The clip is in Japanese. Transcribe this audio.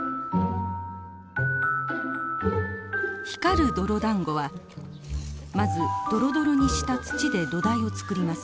光る泥だんごはまずどろどろにした土で土台を作ります。